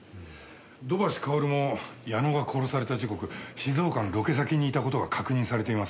土橋かおるも矢野が殺された時刻静岡のロケ先にいた事が確認されています。